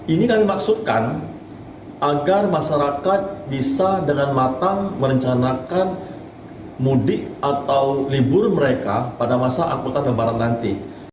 ini kami maksudkan agar masyarakat bisa dengan matang merencanakan mudik atau libur mereka pada masa angkutan lebaran nanti